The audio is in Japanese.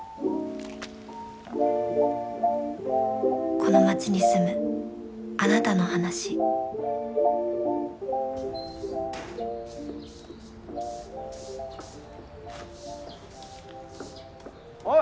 この町に住むあなたの話おう。